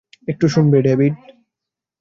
একটু শুনবে, ডেভিড?